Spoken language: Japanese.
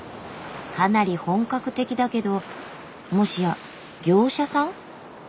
かなり本格的だけどもしや業者さん？